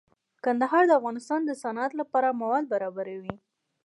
کندهار د افغانستان د صنعت لپاره مواد برابروي.